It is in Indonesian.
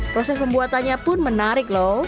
proses pembuatannya pun menarik loh